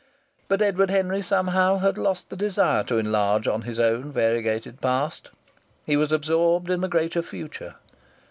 But Edward Henry, somehow, had lost the desire to enlarge on his own variegated past. He was absorbed in the greater future.